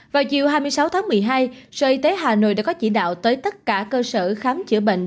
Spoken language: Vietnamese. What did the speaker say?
vào chiều hai mươi sáu tháng một mươi hai sở y tế hà nội đã có chỉ đạo tới tất cả cơ sở khám chữa bệnh